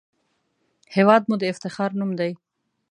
هېواد مو د افتخار نوم دی